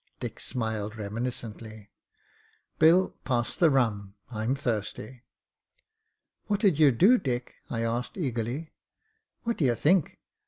Dick smiled • reminiscently. ''Bill, pass the rum. I'm thirsty." "What did you do, Dick ?" I asked, eagerly. "What d'you think?